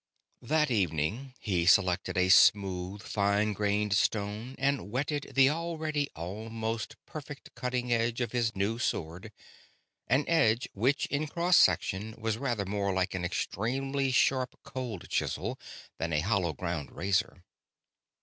That evening he selected a smooth, fine grained stone and whetted the already almost perfect cutting edge of his new sword; an edge which in cross section was rather more like an extremely sharp cold chisel than a hollow ground razor.